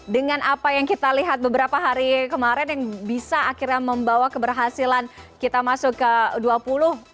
dengan apa yang kita lihat beberapa hari kemarin yang bisa akhirnya membawa keberhasilan kita masuk ke u dua puluh